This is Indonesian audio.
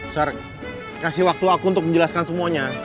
sorr kasih waktu aku untuk menjelaskan semuanya